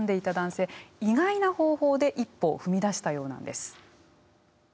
意外な方法で一歩を踏み出したようなんです。